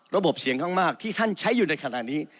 เสียงข้างมากที่ท่านใช้อยู่ในขณะนี้